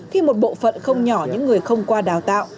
khi một bộ phận không nhỏ những người không qua đào tạo